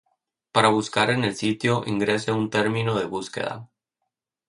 Para buscar en el sitio, ingrese un término de búsqueda